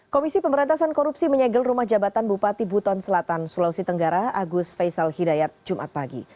komisi pemberantasan korupsi menyegel rumah jabatan bupati buton selatan sulawesi tenggara agus faisal hidayat jumat pagi